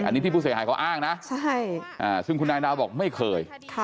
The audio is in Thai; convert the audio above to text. อันนี้ที่ผู้เสียหายเขาอ้างนะซึ่งคุณนายนาวบอกไม่เคย